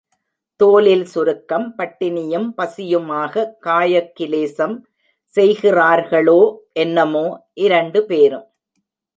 தோலில் சுருக்கம், பட்டினியும், பசியுமாக காயக் கிலேசம் செய்கிறார்களோ என்னமோ, இரண்டுபேரும்!